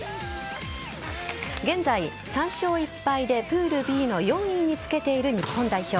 現在３勝１敗でプールＢの４位につけている日本代表。